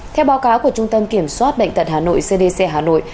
theo báo cáo của trung tâm kiểm soát bệnh tật hà nội cdc hà nội